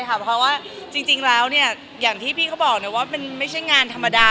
เพราะว่าจริงแล้วอย่างที่พี่เขาบอกว่ามันไม่ใช่งานธรรมดา